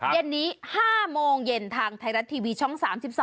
เย็นนี้๕โมงเย็นทางไทยรัฐทีวีช่อง๓๒